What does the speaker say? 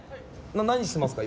何してますか？